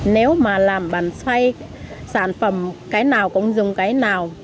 nếu mà làm bàn xoay sản phẩm cái nào cũng dùng cái nào